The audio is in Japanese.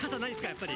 やっぱり。